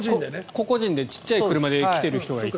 個々人で小さい車で来ている人がいて。